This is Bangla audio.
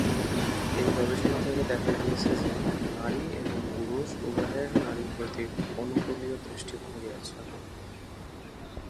এই গবেষণা থেকে দেখা গিয়েছে যে, নারী এবং পুরুষ উভয়ের নারীর প্রতি অনুকুলীয় দৃষ্টিভঙ্গী আছে।